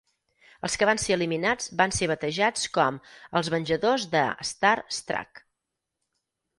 Els que van ser eliminats van ser batejats com "els venjadors de StarStruck".